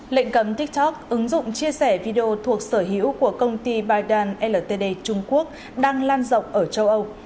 lệnh cấm tiktok ứng dụng chia sẻ video thuộc sở hữu của công ty biden ltd trung quốc đang lan rộng ở châu âu